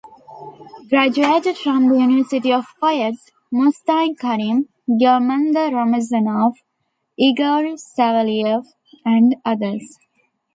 Graduated from the University of poets Mustai Karim, Gilemdar Ramazanov, Igor Saveliev and others.